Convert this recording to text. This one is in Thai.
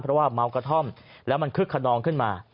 เพราะว่าเมากระท่อมแล้วมันคึกขนองขึ้นมา